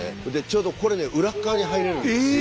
ちょうどこれね裏っ側に入れるんです。